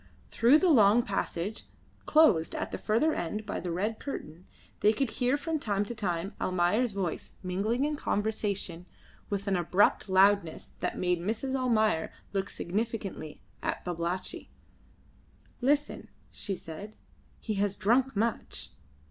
Through the long passage, closed at the further end by the red curtain, they could hear from time to time Almayer's voice mingling in conversation with an abrupt loudness that made Mrs. Almayer look significantly at Babalatchi. "Listen," she said. "He has drunk much."